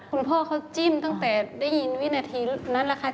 คุณพ่อเขาจิ้มตั้งแต่ได้ยินวินาทีนั้นแหละค่ะ